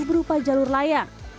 berupa jalur layang